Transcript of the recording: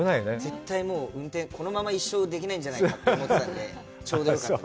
絶対もう、運転、このまま一生できないんじゃないかって思ったので、ちょうどよかったです。